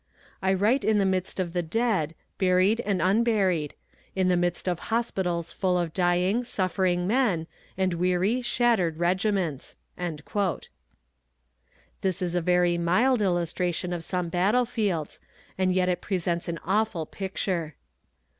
I write in the midst of the dead, buried and unburied in the midst of hospitals full of dying, suffering men, and weary, shattered regiments." This is a very mild illustration of some battle fields, and yet it presents an awful picture.